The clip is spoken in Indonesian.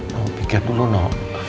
kamu pikir dulu nino